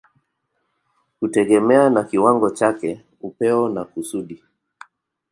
kutegemea na kiwango chake, upeo na kusudi.